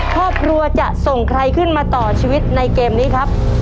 ครอบครัวจะส่งใครขึ้นมาต่อชีวิตในเกมนี้ครับ